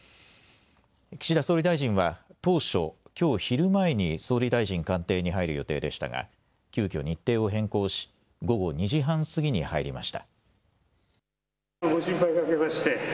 岸田総理大臣は当初、きょう昼前に総理大臣官邸に入る予定でしたが急きょ、日程を変更し午後２時半過ぎに入りました。